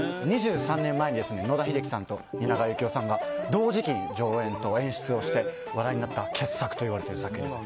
２３年前に野田秀樹さんと蜷川幸雄さんが同時期に上演と演出をして話題になった傑作と言われている作品です。